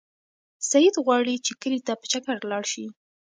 سعید غواړي چې کلي ته په چکر لاړ شي.